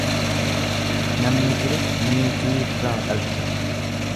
Namni ture niitiirraa dhalcha.